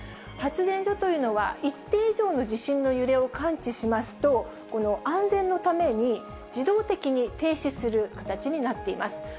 発電所というのは、一定以上の地震の揺れを感知しますと、この安全のために自動的に停止する形になっています。